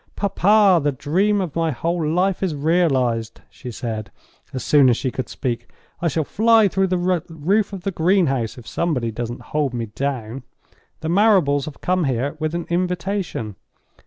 "Papa! the dream of my whole life is realized," she said, as soon as she could speak. "I shall fly through the roof of the greenhouse if somebody doesn't hold me down. The Marrables have come here with an invitation.